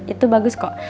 itu bagus kok